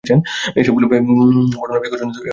এবার বুঝলে তো, বর্ণালিবীক্ষণ যন্ত্র এত গুরুত্বপূর্ণ কেন?